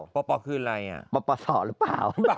ปปคืออะไรปปศหรือเปล่า